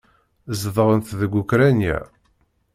Zedɣent deg Ukṛanya.